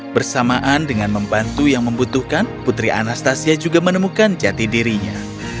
bersamaan dengan membantu yang membutuhkan putri anastasia juga menemukan jati dirinya